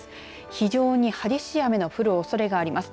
非常に激しい雨の降るおそれがあります。